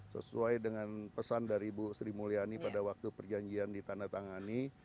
sesuai dengan pesan dari bu sri mulyani pada waktu perjanjian di tandatangani